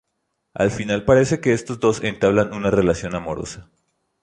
Al final parece que estos dos entablan una relación amorosa.